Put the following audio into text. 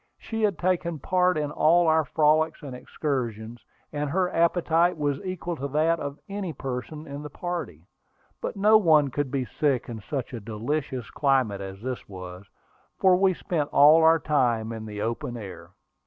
She had taken part in all our frolics and excursions, and her appetite was equal to that of any person in the party. But no one could be sick in such a delicious climate as this was, for we spent all our time in the open air.